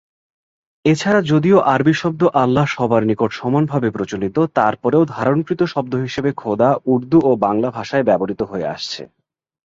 এছাড়া যদিও আরবি শব্দ আল্লাহ্ সবার নিকট সমানভাবে প্রচলিত তারপরেও ধারণকৃত শব্দ হিসাবে খোদা উর্দু ও বাংলা ব্যবহৃত হয়ে আসছে।